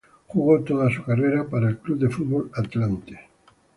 Jugó toda su carrera para el Club de Fútbol Atlante.